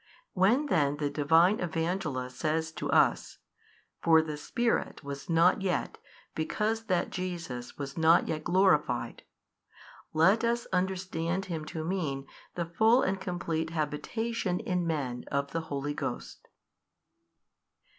When then the Divine Evangelist says to us, For the Spirit was not yet because that Jesus was not yet glorified, let us understand him to mean the full and complete habitation in men of the Holy Ghost.